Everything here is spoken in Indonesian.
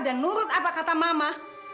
dan menurut apa kata mama